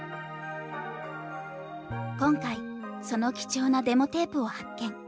今回その貴重なデモテープを発見。